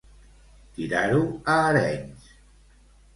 Tirar-ho a Arenys.